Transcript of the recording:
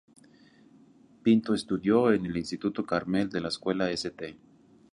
Pinto estudió en el Instituto Carmel de la escuela St.